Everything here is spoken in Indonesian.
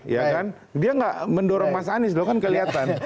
ya kan dia nggak mendorong mas anies loh kan kelihatan